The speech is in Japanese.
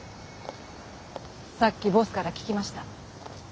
さっきボスから聞きました。